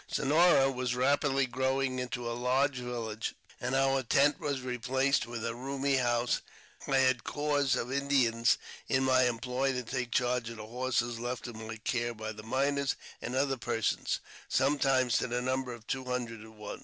Sonora was rapidly growing into a large village, and our tent was replaced with a roomy house. I had a corps of Indians in my employ to take charge of the horses left in my , care by miners and other persons, sometimes to the number of two hundred at once.